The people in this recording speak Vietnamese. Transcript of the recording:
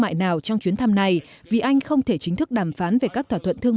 mại nào trong chuyến thăm này vì anh không thể chính thức đàm phán về các thỏa thuận thương